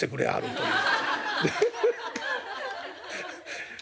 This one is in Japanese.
という。